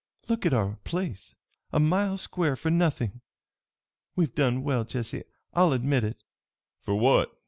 "Look at our place! A mile square, for nothing! We've done well, Jesse, I'll admit it." "For what?"